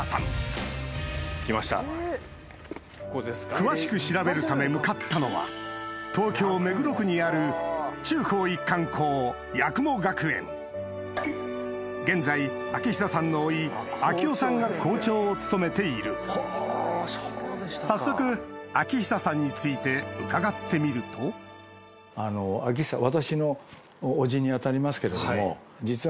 詳しく調べるため向かったのは中高一貫校現在章久さんの甥彰郎さんが校長を務めている早速章久さんについて伺ってみると実は。